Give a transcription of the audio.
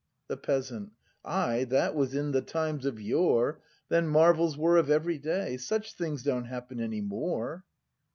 The Peasant. Ay, that was in the times of yore; — Then marvels were of every day; Such things don't happen any more.